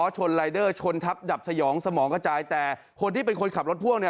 ชนรายเดอร์ชนทับดับสยองสมองกระจายแต่คนที่เป็นคนขับรถพ่วงเนี่ย